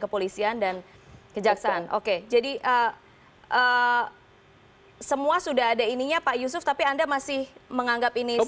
kepolisian dan kejaksaan oke jadi semua sudah ada ininya pak yusuf tapi anda masih menganggap ini